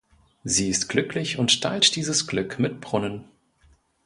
Sie ist glücklich und teilt dieses Glück mit Brunnen.